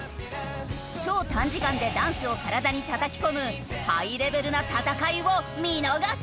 超短時間でダンスを体にたたき込むハイレベルな戦いを見逃すな！